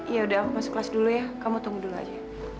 ya udah masuk kelas dulu ya kamu tunggu dulu aja